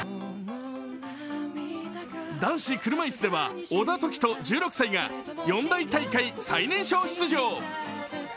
男子車いすでは小田凱人１６歳が四大大会、最年少出場。